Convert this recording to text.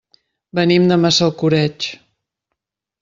Venim de Massalcoreig.